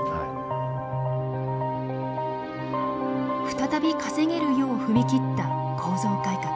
再び稼げるよう踏み切った構造改革。